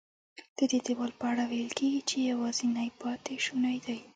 ددې دیوال په اړه ویل کېږي چې یوازینی پاتې شونی دی.